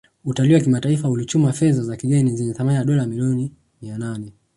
Utalii wa kimataifa ulichuma fedha za kigeni zenye thamani ya Dola bilioni mia nne